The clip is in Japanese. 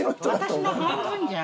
私の半分じゃ。